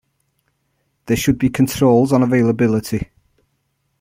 There should be controls on availability.